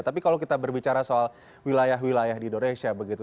tapi kalau kita berbicara soal wilayah wilayah di indonesia begitu